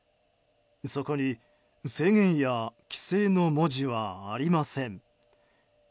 そこに制限や規制の文字はありません。